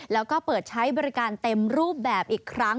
แล้วก็เปิดใช้บริการเต็มรูปแบบอีกครั้ง